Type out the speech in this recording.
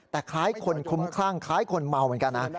แต่คล้ายคนคุ้มคลั่งคล้ายคนเมาเหมือนกันนะ